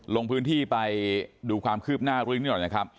ลงพื้นที่ไปดูความคืบหน้าเรื่องนี้หน่อยนะครับ